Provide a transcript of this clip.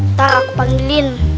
ntar aku panggilin